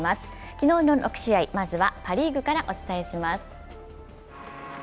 昨日の６試合、まずはパ・リーグからお伝えします。